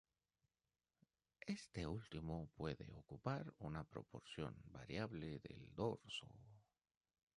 Este último puede ocupar una proporción variable del dorso.